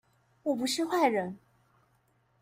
我不是壞人